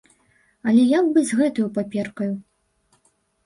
Але як быць з гэтаю паперкаю?